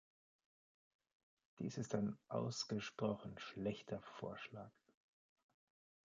Dies ist ein ausgesprochen schlechter Vorschlag.